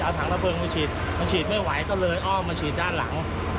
เอาถังระเพลิงมาฉีดมันฉีดไม่ไหวก็เลยอ้อมมาฉีดด้านหลัง